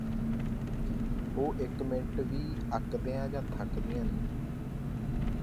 ਉਹ ਇਕ ਮਿੰਟ ਵੀ ਅੱਕਦੀਆਂ ਜਾਂ ਥੱਕਦੀਆਂ ਨਹੀਂ